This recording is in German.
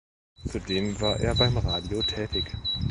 Zudem war er beim Radio tätig.